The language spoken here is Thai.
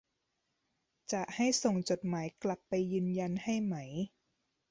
จะให้ส่งจดหมายกลับไปยืนยันให้ไหม